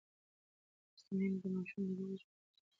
لوستې میندې د ماشومانو د روغ ژوند اصول ښيي.